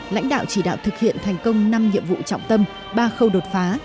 lãnh đạo chỉ đạo thực hiện thành công năm nhiệm vụ trọng tâm ba khâu đột phá